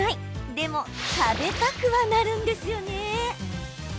でも、食べたくはなるんですよね。